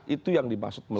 itu yang dimaksud melekat